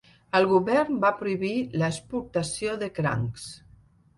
El govern va prohibir la exportació de crancs.